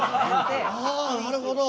はあなるほど。